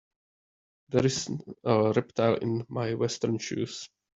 There is a reptile in my western shoes.